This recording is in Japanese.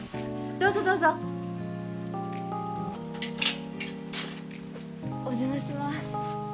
どうぞどうぞお邪魔します